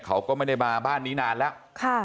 เขาก็ไม่ได้มาบ้านนี้นานแล้ว